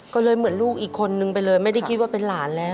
ก็เลยเหมือนลูกอีกคนนึงไปเลยไม่ได้คิดว่าเป็นหลานแล้ว